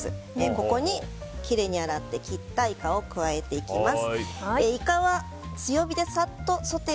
ここに、きれいに洗って切ったイカを加えていきます。